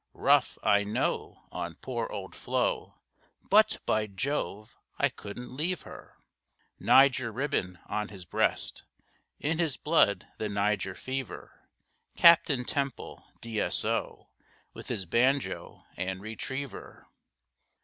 "Rough, I know, on poor old Flo, But, by Jove! I couldn't leave her." Niger ribbon on his breast, In his blood the Niger fever, Captain Temple, D.S.O., With his banjo and retriever.